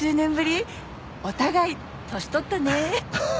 お互い年取ったね。